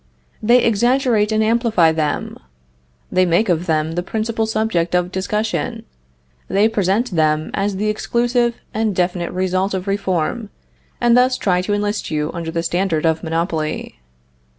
They exaggerate and amplify them; they make of them the principal subject of discussion; they present them as the exclusive and definite result of reform, and thus try to enlist you under the standard of monopoly.